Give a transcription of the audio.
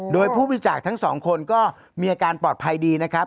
โดยผู้บริจาคทั้งสองคนก็มีอาการปลอดภัยดีนะครับ